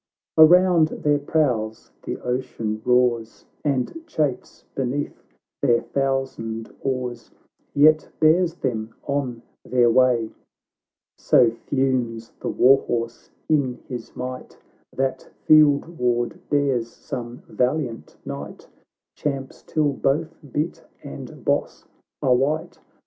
Around their prows the ocean roars, And chafes beneath their thousand oars, Yet bears them on their way: So fumes the war horse in his might, That field ward bears some valiant knight, Champs till both bit and boss are white, But, foaming, must obej\ JGG THE LOKD OF THE ISLES.